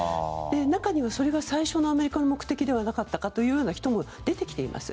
中にはそれが最初のアメリカの目的ではなかったかというような人も出てきています。